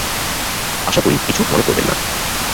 আশা করি কিছু মনে করবেননা।